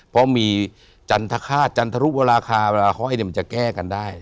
เพราะมีจันทะคาจันทรุปลาคาลาห้อยเนี่ยมันจะแก้กันได้